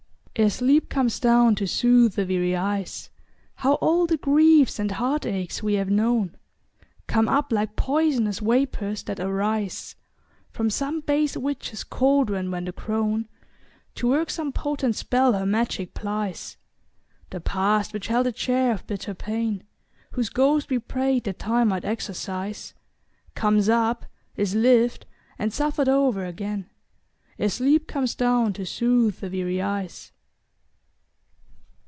Ere sleep comes down to soothe the weary eyes, How all the griefs and heartaches we have known Come up like pois'nous vapors that arise From some base witch's caldron, when the crone, To work some potent spell, her magic plies. The past which held its share of bitter pain, Whose ghost we prayed that Time might exorcise, Comes up, is lived and suffered o'er again, Ere sleep comes down to soothe the weary eyes.